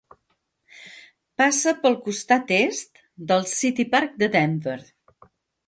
Passa pel costat est del City Park de Denver.